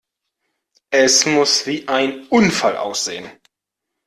Es muss wie ein Unfall aussehen!